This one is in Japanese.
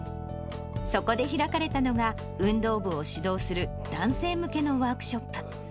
そこで開かれたのが、運動部を指導する男性向けのワークショップ。